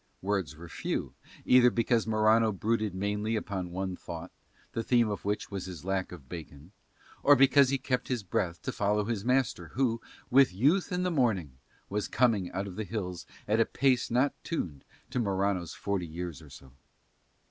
Words were few, either because Morano brooded mainly upon one thought, the theme of which was his lack of bacon, or because he kept his breath to follow his master who, with youth and the morning, was coming out of the hills at a pace not tuned to Morano's forty years or so.